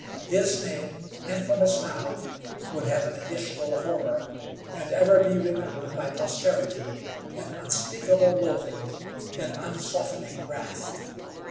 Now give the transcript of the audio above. His name, infamous now, would have an additional horror, and ever be remembered by posterity in unspeakable loathing, in unsoftening wrath.